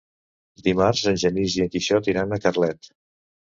Dimarts en Genís i en Quixot iran a Carlet.